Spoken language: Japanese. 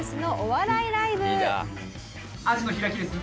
アジの開きです。